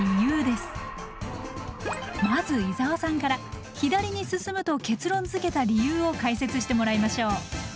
まず伊沢さんから左に進むと結論づけた理由を解説してもらいましょう。